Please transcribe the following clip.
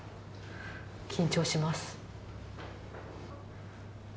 緊張します。